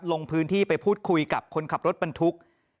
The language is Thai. ลงพื้นที่ไปพูดคุยกับคนขับรถบรรทุก